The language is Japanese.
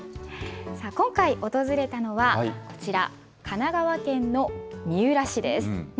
今回、訪れたのはこちら、神奈川県の三浦市です。